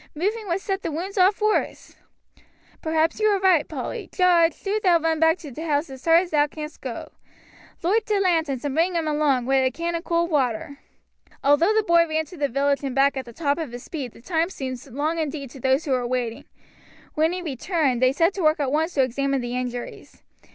Moving would set the wounds off worse." "Perhaps you are right, Polly. Jarge, do thou run back to t' house as hard as thou canst go. Loight t' lanterns and bring 'em along, wi' a can o' cold water." Although the boy ran to the village and back at the top of his speed the time seemed long indeed to those who were waiting. When he returned they set to work at once to examine the injuries.